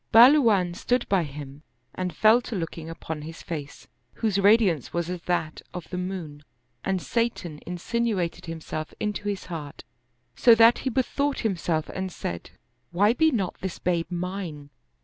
Bahluwan stood by him and fell to looking 'upon his face, whose radiance was as that of the moon, and Satan insinu ated himself into his heart, so that he bethought himself and said, " Why be not this babe mine